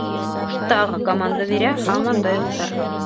Тағы команда бирә, һаман да юҡтар.